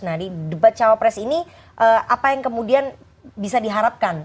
nah di debat cawa press ini apa yang kemudian bisa diharapkan